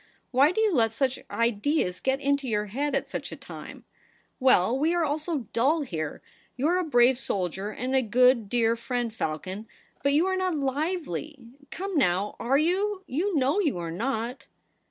Why do you let such ideas get into your head at such a time ?'' Well, we are all so dull here. You are a brave soldier and a good, dear friend, Falcon ; but you are not lively. Come now, are you ? You know you are not.'